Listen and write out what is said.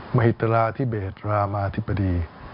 มหิตราธิเบศรามาธิบดี